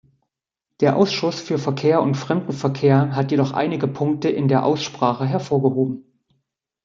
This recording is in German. Der Ausschuss für Verkehr und Fremdenverkehr hat jedoch einige Punkte in der Aussprache hervorgehoben.